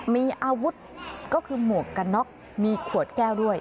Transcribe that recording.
มีอาวุธก็คือหมวกกันน็อกมีขวดแก้วด้วย